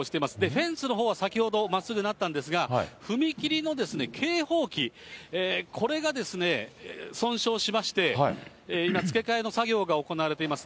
フェンスのほうは先ほどまっすぐなったんですが、踏切の警報機、これがですね、損傷しまして、今付け替えの作業が行われています。